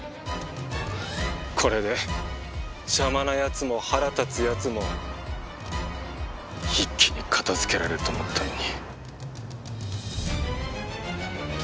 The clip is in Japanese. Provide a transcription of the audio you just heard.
これで邪魔な奴も腹立つ奴も一気に片づけられると思ったのに。